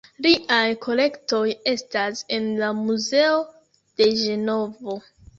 Liaj kolektoj estas en la muzeo de Ĝenovo.